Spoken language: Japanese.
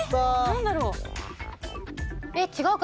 何だろう？